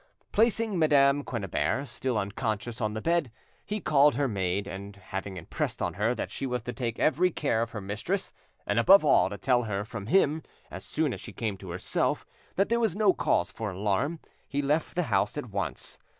Placing Madame Quennebert, still unconscious, on the bed, he called her maid, and, having impressed on her that she was to take every care of her mistress, and above all to tell her from him as soon as she came to herself that there was no cause for alarm, he left the house at once.